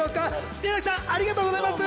宮崎さんありがとうございます！